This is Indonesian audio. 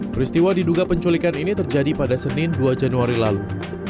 peristiwa diduga penculikan ini terjadi pada senin dua januari lalu